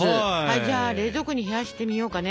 じゃあ冷蔵庫に冷やしてみようかね。